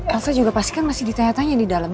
rasa juga pasti kan masih ditanya tanya di dalam